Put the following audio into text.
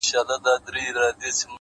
له ما پـرته وبـــل چــــــاتــــــه”